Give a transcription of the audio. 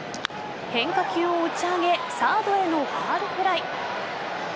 変化球を打ち上げサードへのファウルフライ。